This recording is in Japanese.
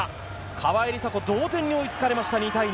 川井梨紗子、同点に追いつかれました。